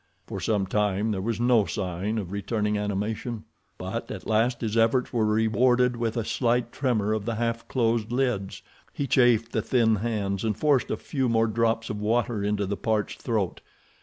For some time there was no sign of returning animation, but at last his efforts were rewarded by a slight tremor of the half closed lids. He chafed the thin hands, and forced a few more drops of water into the parched throat.